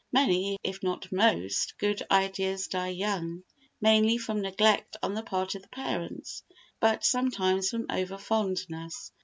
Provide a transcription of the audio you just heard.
Many, if not most, good ideas die young—mainly from neglect on the part of the parents, but sometimes from over fondness.